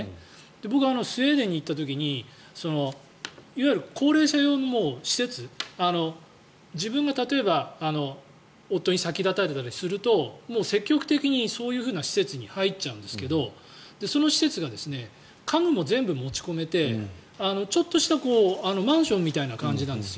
僕、スウェーデンに行った時にいわゆる高齢者用の施設自分が例えば夫に先立たれたりすると積極的にそういう施設に入っちゃうんですけどその施設が家具も全部持ち込めてちょっとしたマンションみたいな感じなんです。